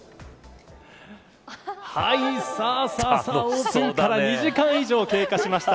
オープンから２時間以上経過しました。